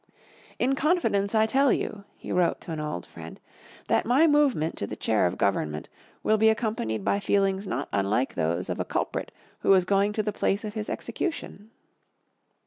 "In confidence I tell you," he wrote to an old friend, "that my movement to the chair of government will be accompanied by feelings not unlike those of a culprit who is going to the place of his execution."